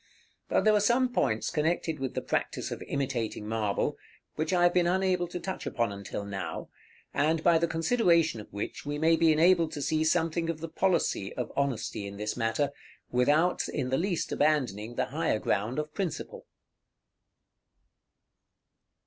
But there are some points connected with the practice of imitating marble, which I have been unable to touch upon until now, and by the consideration of which we may be enabled to see something of the policy of honesty in this matter, without in the least abandoning the higher ground of principle.